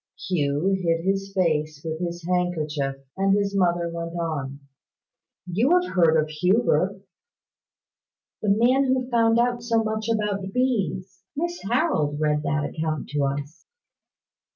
Hugh hid his face with his handkerchief, and his mother went on: "You have heard of Huber." "The man who found out so much about bees. Miss Harold read that account to us."